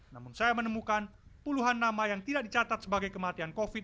namun saya menemukan puluhan nama yang tidak dicatat sebagai kematian covid sembilan